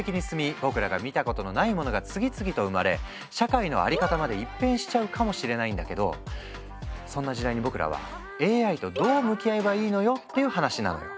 僕らが見たことのないものが次々と生まれ社会の在り方まで一変しちゃうかもしれないんだけどそんな時代に僕らはＡＩとどう向き合えばいいのよっていう話なのよ。